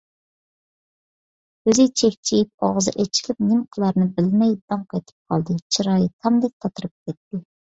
كۆزى چەكچىيىپ، ئاغزى ئېچىلىپ، نېمە قىلارىنى بىلمەي داڭقېتىپ قالدى، چىرايى تامدەك تاتىرىپ كەتتى.